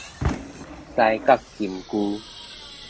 犀角金龜